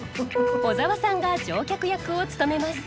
小沢さんが乗客役を務めます。